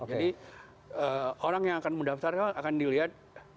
jadi orang yang akan mendaftarkan akan dilihat